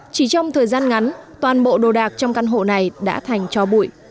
chỉ trong thời gian ngắn toàn bộ đồ đạc trong căn hộ này đã thành cho bụi